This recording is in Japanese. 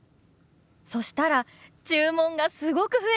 そしたら注文がすごく増えたんですよ。